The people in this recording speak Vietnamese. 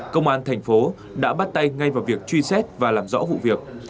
công an thành phố đã bắt tay ngay vào việc truy xét và làm rõ vụ việc